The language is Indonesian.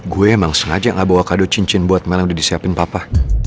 gue emang sengaja gak bawa kadocincin buat melanggung disiapin papa